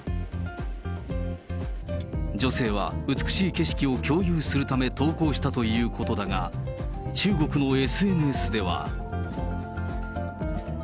女性は美しい景色を共有するため投稿したということだが、中国のＳＮＳでは。